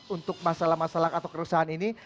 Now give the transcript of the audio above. untuk masalah masalah atau keresahan ini